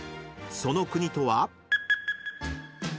［その国とは］